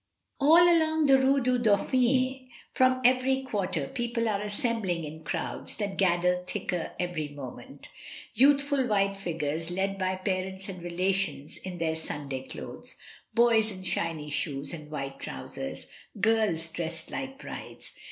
All along the Rue du Dauphin, from every quarter people are assembling in crowds that gather thicker every moment — youthful white figures led by parents and relations in their Sunday dothes, boys in shiny shoes and white trousers, girls dressed like brides.